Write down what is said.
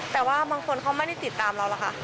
แต่ว่าบางคนเขาไม่ได้ติดตามเราหรอกค่ะ